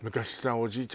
おじいちゃん